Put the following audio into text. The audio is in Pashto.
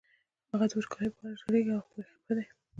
هغه د وچکالۍ په حال ژړېږي او پرې خپه دی.